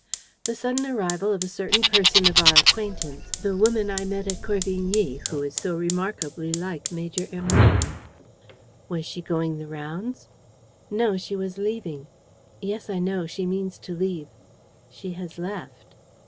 "The sudden arrival of a certain person of our acquaintance, the woman I met at Corvigny, who is so remarkably like Major Hermann." "Was she going the rounds?" "No, she was leaving." "Yes, I know, she means to leave." "She has left."